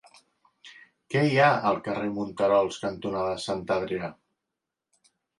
Què hi ha al carrer Monterols cantonada Sant Adrià?